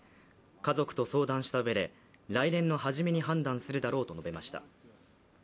家族と相談したうえで、来年の初めに判断するだろうと述べました。